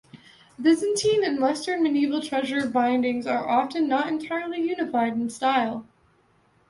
Byzantine and Western medieval treasure bindings are often not entirely unified in style.